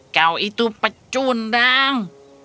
kau itu pecundang